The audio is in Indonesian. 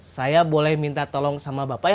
saya boleh minta tolong sama bapaknya